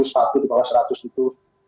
sepatu di bawah seratus ribu